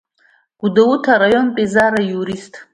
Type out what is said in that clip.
Гәдоуҭа араионтә Еизара аиурист.